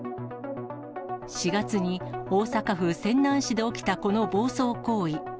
４月に大阪府泉南市で起きたこの暴走行為。